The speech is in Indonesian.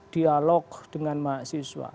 dialog dengan mahasiswa